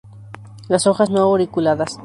Las hojas no auriculadas.